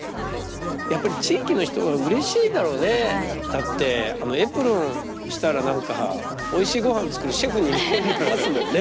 だってあのエプロンしたら何かおいしいごはんをつくるシェフに見えますもんね。